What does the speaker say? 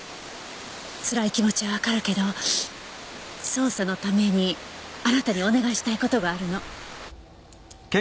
つらい気持ちはわかるけど捜査のためにあなたにお願いしたい事があるの。